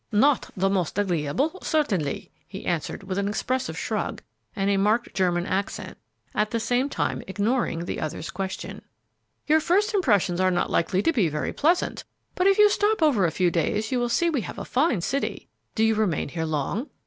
"Not the most agreeable, certainly," he answered, with an expressive shrug and a marked German accent, at the same time ignoring the other's question. "Your first impressions are not likely to be very pleasant, but if you stop over a few days you will see we have a fine city. Do you remain here long?"